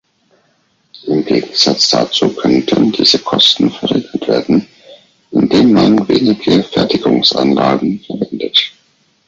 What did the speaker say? Im Gegensatz dazu könnten diese Kosten verringert werden, in dem man wenige Fertigungsanlagen verwendet.